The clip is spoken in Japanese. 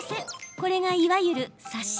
これがいわゆるサシ。